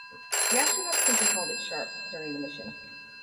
The astronauts simply called it "Sharp" during the mission.